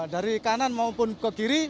dari kanan maupun ke kiri